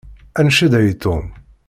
Ad ncedhi Tom.